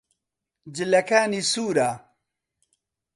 جلەکانی سوورە.